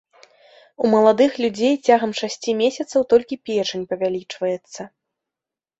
У маладых людзей цягам шасці месяцаў толькі печань павялічваецца.